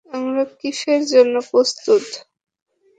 আমরা কিফের জন্য প্রস্তুত।